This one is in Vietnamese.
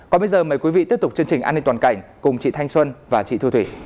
còn bây giờ mời quý vị tiếp tục chương trình an ninh toàn cảnh cùng chị thanh xuân và chị thư thủy